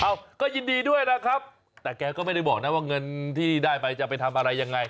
เอ้าก็ยินดีด้วยนะครับแต่แกก็ไม่ได้บอกนะว่าเงินที่ได้ไปจะไปทำอะไรยังไง